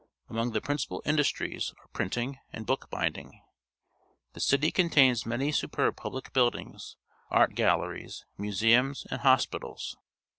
.■Vmong the principal industries are printing and book binding. The city contains many superb public buildings, art galleries, mu seums, and hospitals.